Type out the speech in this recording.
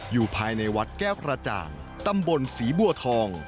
อยู่ภายในวัดแก้วกระจ่างตำบลศรีบัวทอง